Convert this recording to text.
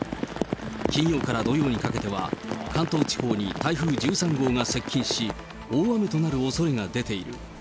金曜から土曜にかけては、関東地方に台風１３号が接近し、大雨となるおそれが出ている。